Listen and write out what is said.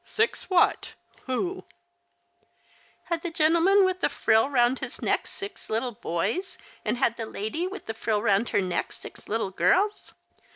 " Six what — who ?"" Had the gentleman with the frill round liis neck six little boys? and had the lady with the frill round her neck six little girls